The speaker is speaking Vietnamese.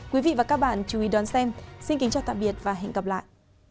quý vị và các bạn chú ý đón xem xin kính chào tạm biệt và hẹn gặp lại